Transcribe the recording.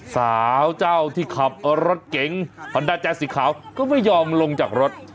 สาวเจ้าที่ขับรถเก๋งฮอนด้าแจ๊สสีขาวก็ไม่ยอมลงจากรถ